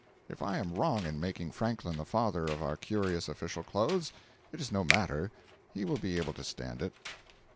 If I am wrong in making Franklin the father of our curious official clothes, it is no matter he will be able to stand it.